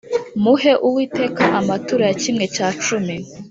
Muhe uwiteka amaturo ya kimwe cya cumi